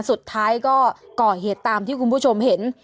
สุดท้ายก็ก่อเหตุตามที่คุณผู้ชมเห็น